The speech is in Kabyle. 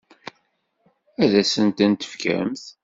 Ad asen-tent-tefkemt?